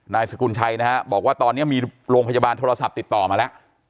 นายสกุลชัยนะฮะบอกว่าตอนนี้มีโรงพยาบาลโทรศัพท์ติดต่อมาแล้ว